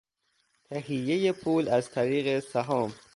تهیهی پول از طریق سهام